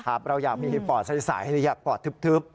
ถ้าเราอยากมีภาพปอดใสอยากมีภาพปอดทึบ